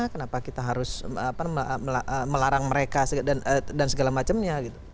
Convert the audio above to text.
kenapa kita harus melarang mereka dan segala macamnya